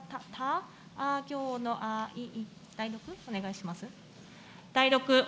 代読お願いします。